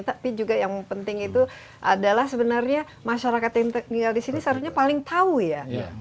tapi juga yang penting itu adalah sebenarnya masyarakat yang tinggal di sini seharusnya paling tahu ya